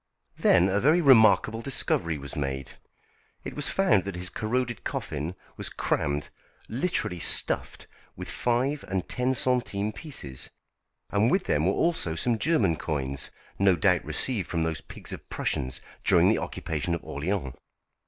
Then a very remarkable discovery was made. It was found that his corroded coffin was crammed literally stuffed with five and ten centimes pieces, and with them were also some German coins, no doubt received from those pigs of Prussians during the occupation of Orléans.